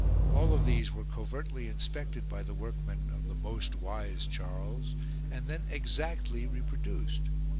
All of these were covertly inspected by the workmen of the most wise Charles, and then exactly reproduced.